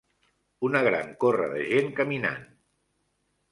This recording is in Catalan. Una gran corra de gent caminant.